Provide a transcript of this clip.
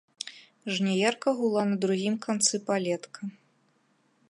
Жняярка гула на другім канцы палетка.